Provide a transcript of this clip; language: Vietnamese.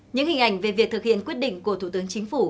những hình ảnh về việc thực hiện quyết định của thủ tướng chính phủ